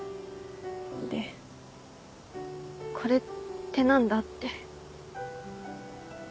でこれって何だ？って。